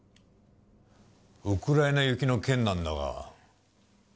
ウクライナ行きの件なんだが。